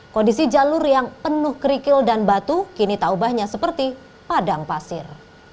kondisi jalur yang penuh kerikil dan batu kini tak ubahnya seperti padang pasir